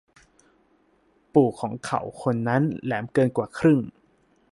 ปู่ของเขาคนนั้นแหลมเกินกว่าครึ่ง